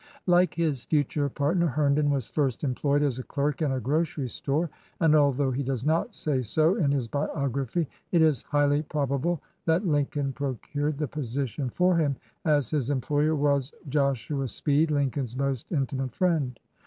Like his future partner, Herndon was first employed as a clerk in a grocery store, and although he does not say so in his biography, it is highly probable that Lincoln procured the position for him, as his employer was Joshua Speed, Lincoln's most intimate friend.